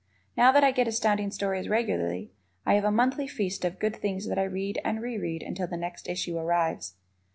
Now that I get Astounding Stories regularly, I have a monthly feast of good things that I read and reread until the next issue arrives.